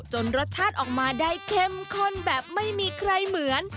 รสชาติออกมาได้เข้มข้นแบบไม่มีใครเหมือน